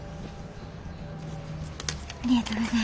ありがとうございます。